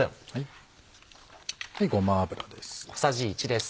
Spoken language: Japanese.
ごま油です。